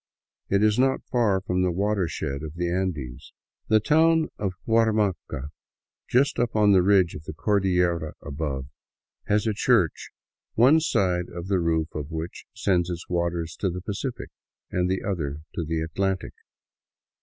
It is not far from the watershed of the Andes. The town of Huarmaca, just up on the ridge of the Cordillera above, has a church one side of the roof of which sends its waters to the Pacific, and the other to the Atlantic.